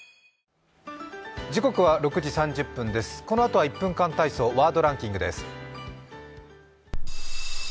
このあとは１分間体操、ワードランキングです。